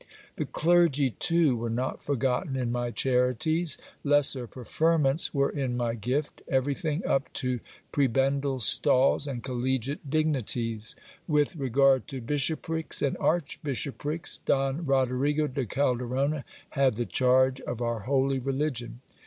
The clergy, too, were not forgotten in my charities. Lesser preferments were in my gift ; everything up to prebendal stalls and collegiate dignities. With re gard to bishoprics and archbishoprics, Don Rodrigo de Calderona had the charge of our holy religion.